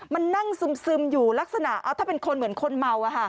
มันนั่งซึมอยู่ลักษณะถ้าเป็นคนเหมือนคนเมา